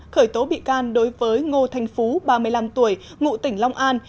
khởi tố bị can đối với ngô thành phú ba mươi năm tuổi ngụ tỉnh long an